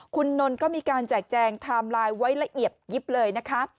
คุณนนท์ก็มีการแจกแจงไทม์ไลน์ไว้ละเอียดยิบเลยนะคะ